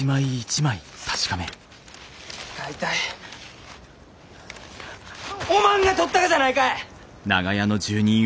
大体おまんがとったがじゃないかえ！